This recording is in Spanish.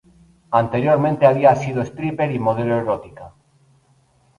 Anteriormente había sido stripper y modelo erótica.